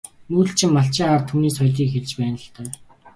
Нүүдэлчин малчин ард түмний соёлыг хэлж байна л даа.